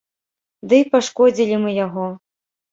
Дый пашкодзілі мы яго.